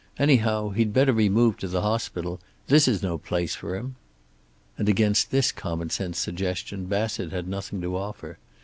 Anyhow, he'd better be moved to the hospital. This is no place for him." And against this common sense suggestion Bassett had nothing to offer.